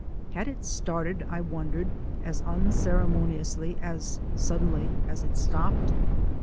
Had it started, I wondered, as unceremoniously, as sud denly, as it stopped?